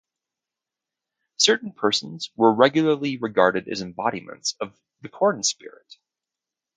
Certain persons were regularly regarded as embodiments of the corn spirit.